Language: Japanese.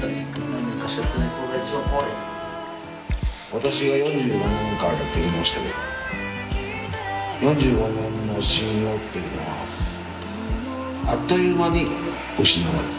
私が４５年間やってきましたけど４５年の信用っていうのはあっという間に失われる。